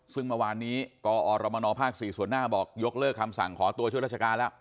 ซึ่งเมื่อวานนี้กอรมนภ๔ส่วนหน้าบอกยกเลิกคำสั่งขอตัวช่วยราชการแล้ว